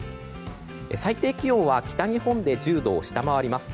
最低気温は北日本で１０度を下回ります。